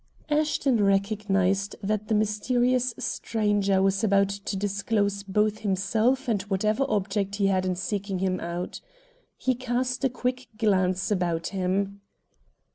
Ashton recognized that the mysterious stranger was about to disclose both himself and whatever object he had in seeking him out. He cast a quick glance about him.